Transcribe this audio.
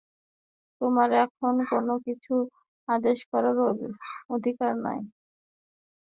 তোমার এখন কোন কিছু আদেশ করার অধিকার নেই।